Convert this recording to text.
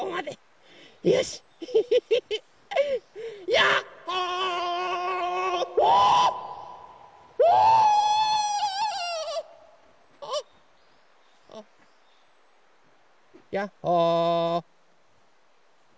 やっほ。